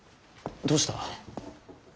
どうした？